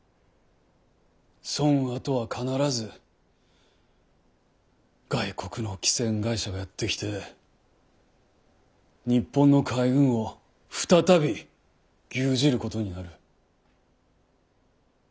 そんあとは必ず外国の汽船会社がやって来て日本の海運を再び牛耳ることになる。